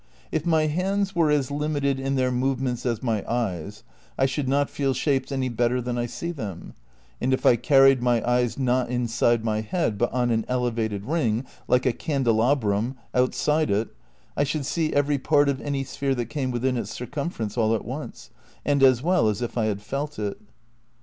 If my hands were as limited in their move ments as my eyes I should not feel shapes any better than I see them; and if I carried my eyes not inside my head but on an elevated ring, like a candelabrum, outside it, I should see every part of any sphere that came within its circumference all at once, and as well as if I had felt it.